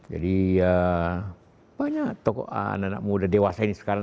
jadi banyak tokoh anak anak muda dewasa ini sekarang